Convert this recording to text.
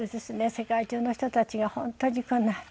世界中の人たちが本当にこんな。